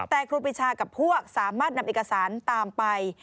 แต่ครูปีชากับพวกสามารถนำเอกสารตามไป